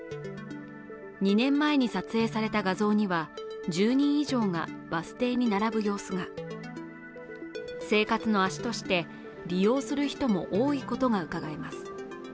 ２年前に撮影された画像には、１０人以上がバス停に並ぶ様子が生活の足として利用する人も多いことがうかがえます。